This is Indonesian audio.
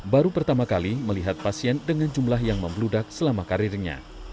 baru pertama kali melihat pasien dengan jumlah yang membludak selama karirnya